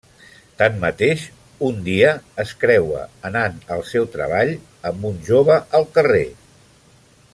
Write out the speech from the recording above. Tanmateix, un dia, es creua, anant al seu treball, amb un jove al carrer.